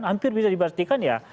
hampir bisa dipastikan ya